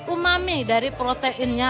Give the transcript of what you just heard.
umami dari proteinnya